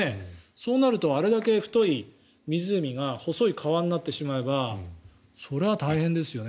そうなるとあれだけ太い湖が細い川になってしまえばそれは大変ですよね。